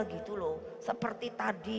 gitu loh seperti tadi